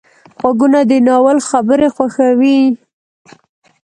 غوږونه د ناول خبرې خوښوي